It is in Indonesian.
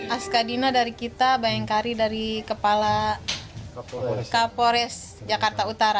askadina dari kita bayangkari dari kepala kapolres jakarta utara